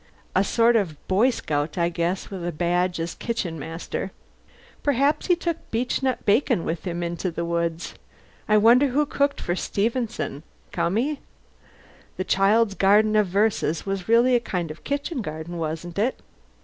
A sort of Boy Scout I guess, with a badge as kitchen master. Perhaps he took Beechnut bacon with him into the woods. I wonder who cooked for Stevenson Cummy? The 'Child's Garden of Verses' was really a kind of kitchen garden, wasn't it?